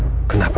mbak kenapa mbak